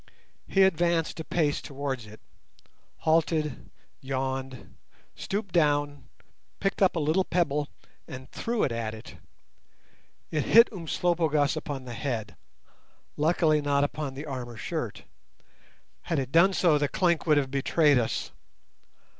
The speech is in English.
He advanced a pace towards it—halted, yawned, stooped down, picked up a little pebble and threw it at it. It hit Umslopogaas upon the head, luckily not upon the armour shirt. Had it done so the clink would have betrayed us.